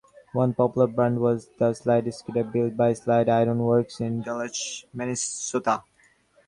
One popular brand was the Clyde Skidder, built by Clyde Ironworks in Duluth, Minnesota.